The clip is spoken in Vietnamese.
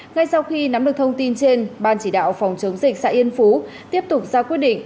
ngay sau khi nắm được thông tin trên ban chỉ đạo phòng chống dịch xã yên phú tiếp tục ra quyết định